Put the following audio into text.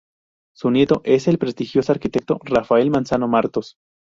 Su nieto es el prestigioso arquitecto Rafael Manzano Martos.